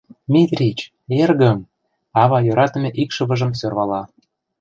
— Митрич... эргым... — ава йӧратыме икшывыжым сӧрвала.